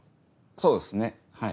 そうですねはい。